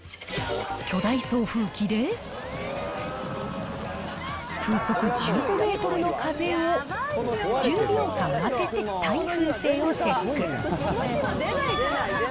巨大送風機で風速１５メートルの風を１０秒間当てて耐風性をチェック。